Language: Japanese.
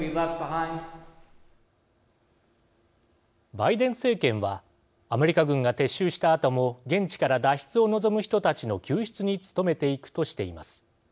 バイデン政権はアメリカ軍が撤収したあとも現地から脱出を望む人たちの救出に努めていくとしています。